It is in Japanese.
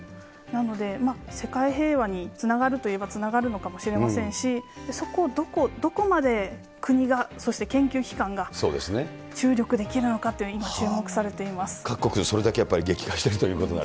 なので、世界平和につながるといえばつながるのかもしれませんし、そこをどこまで国が、そして研究機関が注力できるのかというのに注目さ各国、それだけやっぱり激化激化してますね。